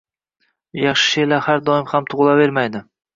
Yaxshi she`rlar har doim ham tug`ilavermaydi